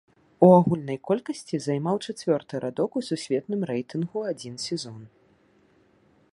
У агульнай колькасці займаў чацвёрты радок у сусветным рэйтынгу адзін сезон.